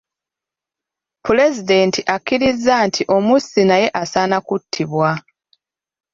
Pulezidenti akkiriza nti omussi naye asaana kuttibwa.